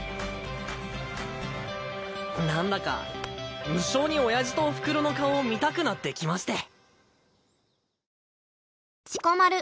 なんだか無性におやじとおふくろの顔を見たくなってきまして。